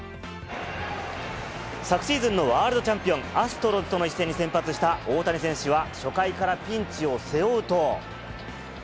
昨シーズンのワールドチャンピオン、アストロズとの一戦に先発した大谷選手は初回からピンチを背負うと。